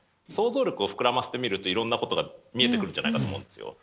想像力を膨らませてみるといろんなことが見えてくるんじゃないかと思うんですよ。